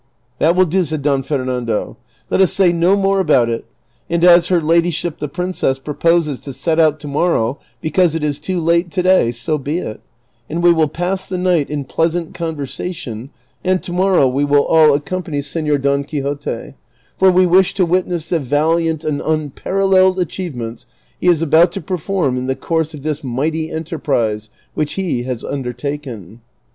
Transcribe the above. " That will do," said Don Fernando ;" let us say no more about it ; and as her ladyship the princess proposes to set out to morrow because it is too late to day, so be it, and we will pass the night in pleasant conversation, and to morrow we will all accompany Senor Don Quixote ; for we wish to witness the valiant and unijaralleled achievements he is about to perform in the course of this mighty enterprise which he has mider taken."